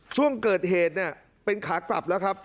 ช่วงเกิดเหตุเนี่ยเป็นขากลับแล้วครับ